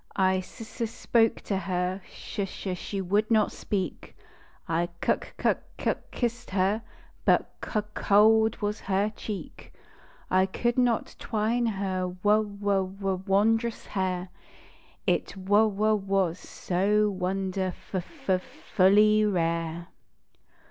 I s s spoke to her ; sh sh she would not speak. I knk kuk kuk kissed her, but c c cold was her cheek. I could not twine her w w w wondrous hair It w w was so wonderf f f fully rare.